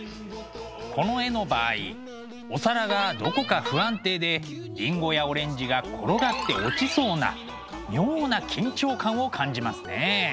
この絵の場合お皿がどこか不安定でりんごやオレンジが転がって落ちそうな妙な緊張感を感じますねえ。